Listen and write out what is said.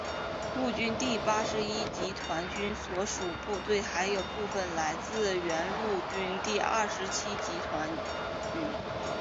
陆军第八十一集团军所属部队还有部分来自原陆军第二十七集团军。